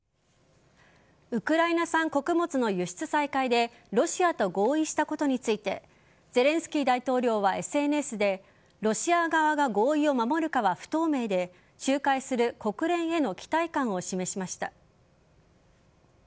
ウクライナ産穀物の輸出再開でロシアと合意したことについてゼレンスキー大統領はＳＮＳでロシア側が合意を守るかは不透明で仲介する国連への期待感を示しました。